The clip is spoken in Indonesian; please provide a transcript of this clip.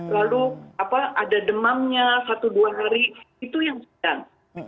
lalu ada demamnya satu dua hari itu yang sedang